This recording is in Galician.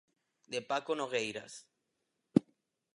De Paco Nogueiras.